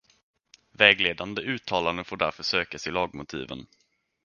Vägledande uttalanden får därför sökas i lagmotiven.